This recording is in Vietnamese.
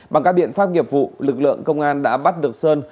bằng các biện pháp nghiệp vụ lực lượng công an đã bắt được sơn